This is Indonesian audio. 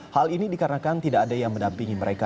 hal ini dikarenakan tidak ada yang mendampingi mereka